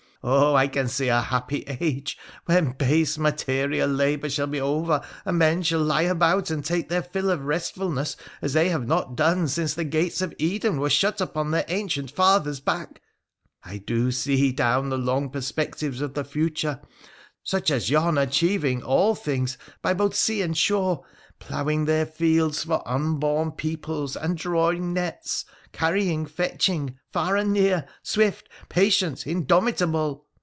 Oh! I can see a happy age, when base material labour shall be over, and men shall lie about and take their fill of restfulness as they have not done since the gates of Eden were shut upon their ancient father's back ! I do see, down the long perspectives of the future, such as yon achieving all things both by sea and shore, ploughing their fields for unborn peoples and drawing nets, carrying, fetching, far and near, swift, patient, indomitable